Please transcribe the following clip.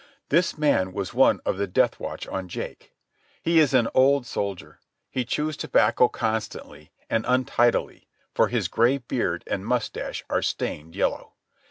This man was one of the death watch on Jake. He is an old soldier. He chews tobacco constantly, and untidily, for his gray beard and moustache are stained yellow.